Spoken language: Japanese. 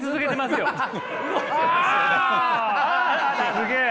すげえ。